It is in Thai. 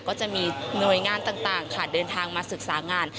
ก็จะมีหน่วยงานต่างค่ะเดินทางมาศึกษางาน